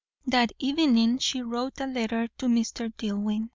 That evening she wrote a letter to Mr. Dillwyn.